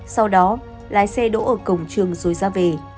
sau đó lái xe đỗ ở cổng trường rồi ra về